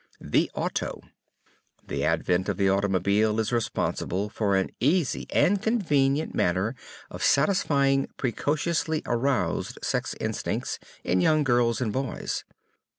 The Auto. The advent of the automobile is responsible for an easy and convenient manner of satisfying precociously aroused sex instincts in young girls and boys.